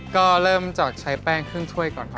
ก็เริ่มจากใช้แป้งเครื่องช่วยก่อนครับ